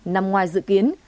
nằm ngoài dự kiến